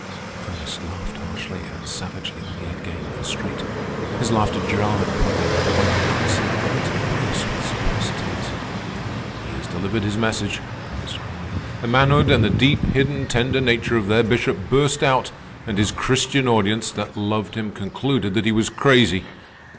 Ernest laughed harshly and savagely when he had gained the street. His laughter jarred upon me. My heart seemed ready to burst with suppressed tears. "He has delivered his message," Ernest cried. "The manhood and the deep hidden, tender nature of their Bishop burst out, and his Christian audience, that loved him, concluded that he was crazy!